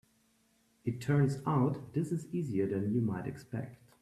It turns out this is easier than you might expect.